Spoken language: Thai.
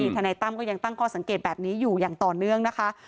ทนายตั้มก็ยังตั้งข้อสังเกตแบบนี้อยู่อย่างต่อเนื่องนะคะ